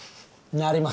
なります。